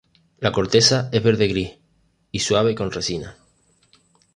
La corteza es verde-gris y suave con resina.